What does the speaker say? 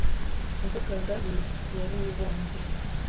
"nduga ngari" yari ibumbye